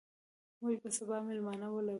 موږ به سبا مېلمانه ولرو.